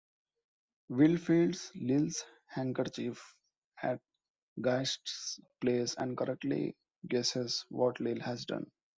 Will finds Lil's handkerchief at Gaerste's place and correctly guesses what Lil has done.